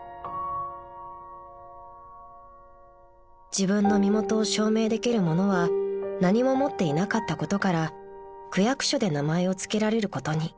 ［自分の身元を証明できるものは何も持っていなかったことから区役所で名前を付けられることに］